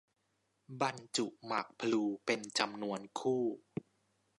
บรรจุหมากพลูเป็นจำนวนคู่